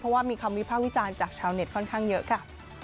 เพราะว่ามีคำวิพากษ์วิจารณ์จากชาวเน็ตค่อนข้างเยอะค่ะ